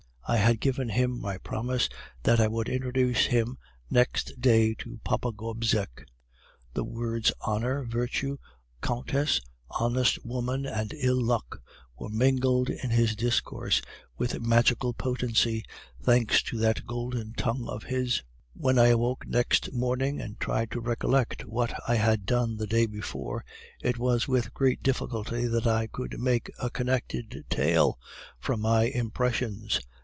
I had given him my promise that I would introduce him the next day to our Papa Gobseck. The words 'honor,' 'virtue,' 'countess,' 'honest woman,' and 'ill luck' were mingled in his discourse with magical potency, thanks to that golden tongue of his. "When I awoke next morning, and tried to recollect what I had done the day before, it was with great difficulty that I could make a connected tale from my impressions.